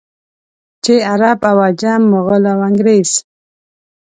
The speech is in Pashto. چې عرب او عجم، مغل او انګرېز.